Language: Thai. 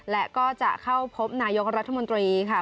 และก็จะเข้าพบนายกรัฐมนตรีค่ะ